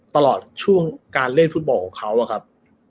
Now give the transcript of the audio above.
ตลอดช่วงการเล่นฟุตบอลของเขาอะครับ